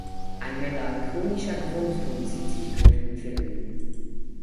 Ein melancholischer Grundton zieht sich durch den Film.